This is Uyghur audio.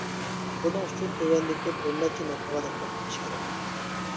بۇنىڭ ئۈچۈن تۆۋەندىكى بىرنەچچە نۇقتىغا دىققەت قىلىش كېرەك.